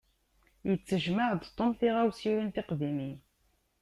Yettejmaɛ-d Tom tiɣawsiwin tiqdimin.